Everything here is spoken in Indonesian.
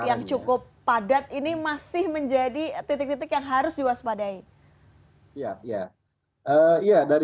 yang cukup padat ini masih menjadi titik titik yang harus diwaspadai